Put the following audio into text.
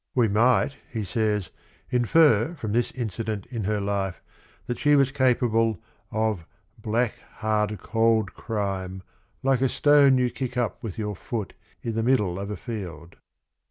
We might, he says, infer from this incident in her life that she was capable of "Black hard cold Crime like a stone you kick up with your foot I' the middle of a field."